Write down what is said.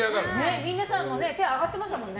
皆さんも手が挙がってましたよね。